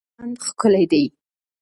ژوند ښکلی دئ.